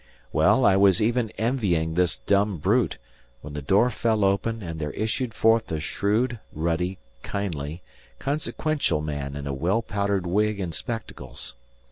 Well, I was even envying this dumb brute, when the door fell open and there issued forth a shrewd, ruddy, kindly, consequential man in a well powdered wig and spectacles.